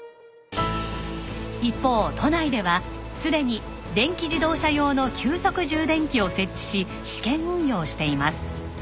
一方都内ではすでに電気自動車用の急速充電器を設置し試験運用しています。